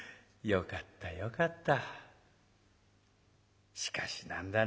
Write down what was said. よかったよかった。